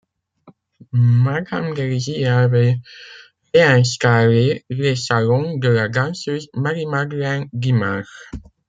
Madame Delizy y avait réinstallé les salons de la danseuse Marie-Madeleine Guimard.